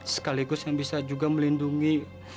sekaligus yang bisa juga melindungi